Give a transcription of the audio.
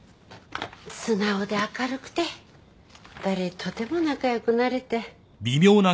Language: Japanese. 素直で明るくて誰とでも仲良くなれて。